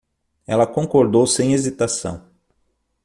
Ela concordou sem hesitação